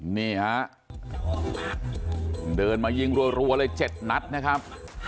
นี่ฮะเดินมายิงรัวเลย๗นัดนะครับ